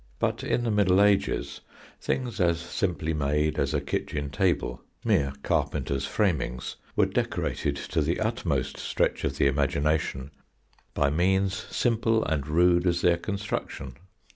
But in the Middle Ages things as simply made as a kitchen table, mere carpenters' framings, were decorated to the utmost stretch of the imagination by means simple and rude as their construction.